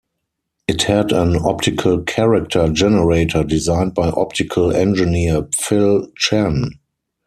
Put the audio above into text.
It had an optical character generator designed by optical engineer Phil Chen.